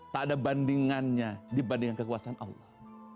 tak ada bandingannya dibandingkan kekuasaan allah